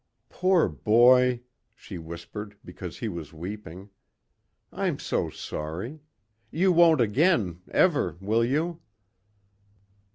"Poor boy," she whispered because he was weeping. "I'm so sorry. You won't, again? Ever? Will you?"